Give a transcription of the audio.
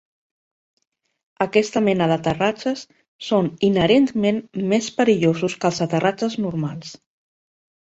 Aquesta mena d'aterratges són inherentment més perillosos que els aterratges normals.